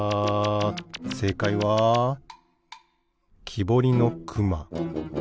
せいかいはきぼりのくま。